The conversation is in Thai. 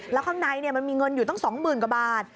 แล้วข้างในมันมีเงินอยู่ตั้ง๒๐๐๐กว่าบาท